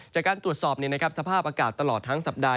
จากการตรวจสอบสภาพอากาศตลอดทั้งสัปดาห